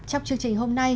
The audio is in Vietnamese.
trong chương trình hôm nay